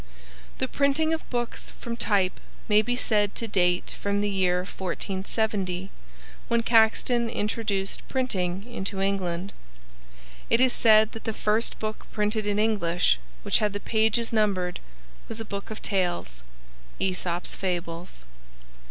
The printing of books from type may be said to date from the year 1470, when Caxton introduced printing into England. It is said that the first book printed in English which had the pages numbered was a book of tales, "Æsop's Fables."